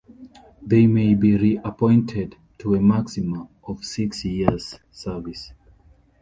They may be re-appointed to a maximum of six years service.